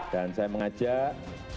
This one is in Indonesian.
dan saya mengajak